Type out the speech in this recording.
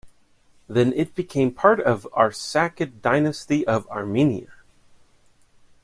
Then it became part of Arsacid Dynasty of Armenia.